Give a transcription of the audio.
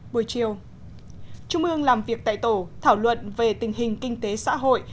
buổi chiều trung ương làm việc tại tổ thảo luận về tình hình kinh tế xã hội